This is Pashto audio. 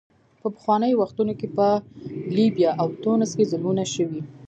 په پخوانیو وختونو کې په لیبیا او تونس کې ظلمونه شوي.